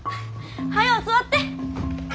早う座って！